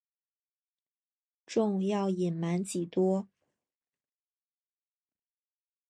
仲要隐瞒几多？